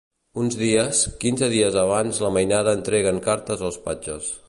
Uns dies quinze dies abans la mainada entreguen cartes als patges.